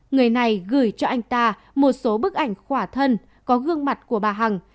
người này gửi cho anh ta một số bức ảnh khỏa thân có gương mặt của bà hằng